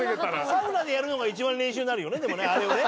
サウナでやるのが一番練習になるよね、あれをね。